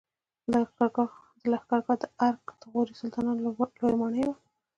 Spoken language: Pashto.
د لښکرګاه د ارک د غوري سلطانانو لوی ماڼۍ وه